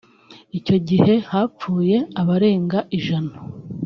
Icyo gihe hapfuye abarenga ijana